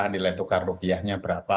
nilai tukar rupiahnya berapa